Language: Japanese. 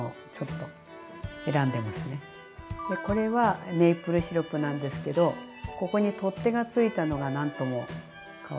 これはメープルシロップなんですけどここに取っ手がついたのがなんともかわいいかな。